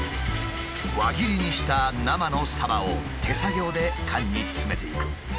輪切りにした生のサバを手作業で缶に詰めていく。